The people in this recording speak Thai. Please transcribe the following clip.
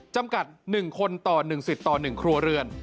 จำกัด๑คนต่อ๑สิทธิ์ต่อ๑ครัวเรือน